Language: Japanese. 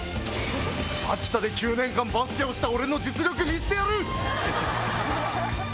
秋田で９年間バスケをした俺の実力見せてやる！